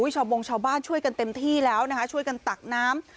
ชาวบงชาวบ้านช่วยกันเต็มที่แล้วนะคะช่วยกันตักน้ำ